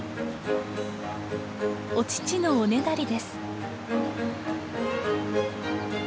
お乳のおねだりです。